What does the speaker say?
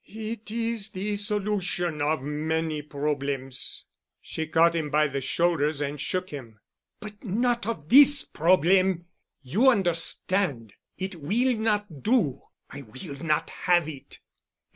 "It is the solution of many problems." She caught him by the shoulders and shook him. "But not of this problem. You understand. It will not do. I will not have it."